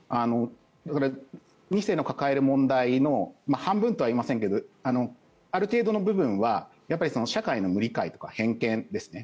２世の抱える問題の半分とは言いませんけどある程度の部分は社会の無理解、偏見ですね